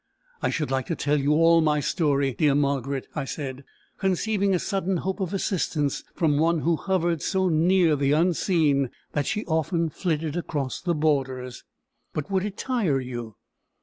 "I should like to tell you all my story, dear Margaret," I said, conceiving a sudden hope of assistance from one who hovered so near the unseen that she often flitted across the borders. "But would it tire you?"